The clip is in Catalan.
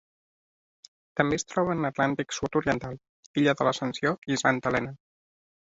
També es troba a l'Atlàntic sud-oriental: illa de l'Ascensió i Santa Helena.